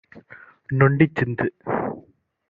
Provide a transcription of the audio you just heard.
நொண்டிச் சிந்து